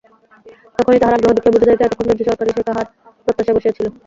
তখনই তাহার আগ্রহ দেখিয়া বুঝা যাইত, এতক্ষণ ধৈর্যসহকারে সে কাহার প্রত্যাশায় বসিয়া ছিল।